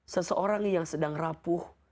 seseorang yang sedang rapuh